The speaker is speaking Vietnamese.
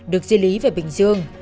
được di lý về bình dương